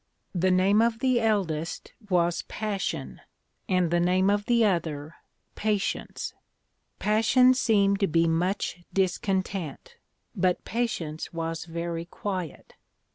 The name of the eldest was Passion, and the name of the other Patience. Passion seemed to be much discontent; but Patience was very quiet.